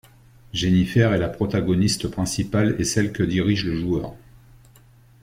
Jennifer est la protagoniste principale et celle que dirige le joueur.